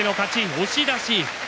押し出し。